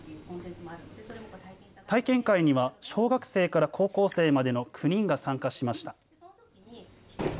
体験会には小学生から高校生までの９人が参加しました。